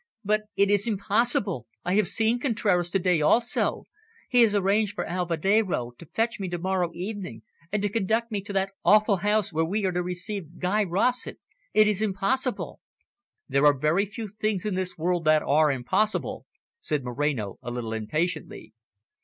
"But it is impossible. I have seen Contraras to day also. He has arranged for Alvedero to fetch me to morrow evening, and to conduct me to that awful house where we are to receive Guy Rossett. It is impossible." "There are very few things in this world that are impossible," said Moreno, a little impatiently.